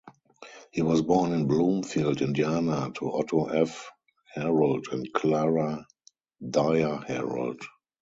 He was born in Bloomfield, Indiana to Otto F. Herold and Clara Dyer Herold.